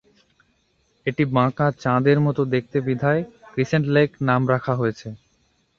এটি বাঁকা চাঁদের মত দেখতে বিধায় ক্রিসেন্ট লেক নাম রাখা হয়েছে।